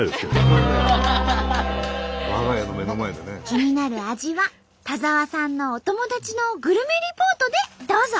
気になる味は田澤さんのお友達のグルメリポートでどうぞ！